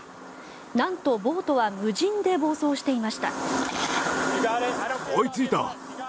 なんとボートは無人で暴走していました。